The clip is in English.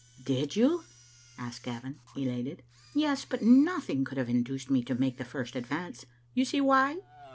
" Did yon?" asked Gavin, elated. " Yes, but nothing could have induced me to make the first advance. You see why?"